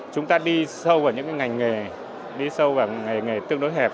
chúng ta đi sâu vào những ngành nghề đi sâu vào ngành nghề tương đối hẹp